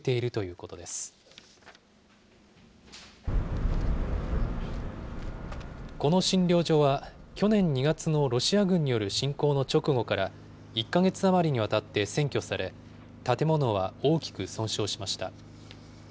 この診療所は、去年２月のロシア軍による侵攻の直後から、１か月余りにわたって占拠され、建物は大きく損傷しました。